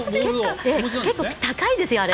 結構、高いんですよあれ。